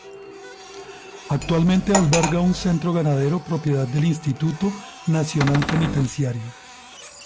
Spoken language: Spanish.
Actualmente alberga un centro ganadero propiedad del Instituto Nacional Penitenciario.